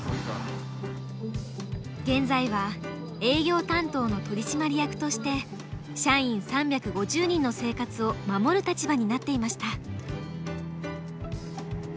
現在は営業担当の取締役として社員３５０人の生活を守る立場になっていました。